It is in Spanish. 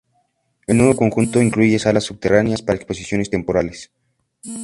El nuevo conjunto incluye salas subterráneas para exposiciones temporales.